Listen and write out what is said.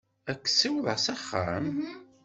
Ad k-ssiwḍeɣ s axxam?